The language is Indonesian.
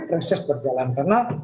proses berjalan karena